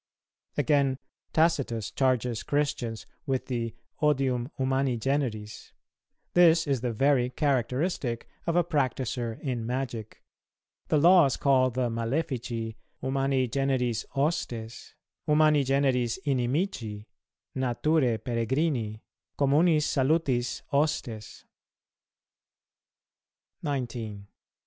"[230:3] Again, Tacitus charges Christians with the "odium humani generis:" this is the very characteristic of a practiser in magic; the Laws call the Malefici, "humani generis hostes," "humani generis inimici," "naturæ peregrini," "communis salutis hostes."[230:4] 19.